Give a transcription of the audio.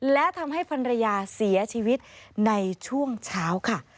และทำให้ภรรยาเสียชีวิตในช่วงเช้าค่ะ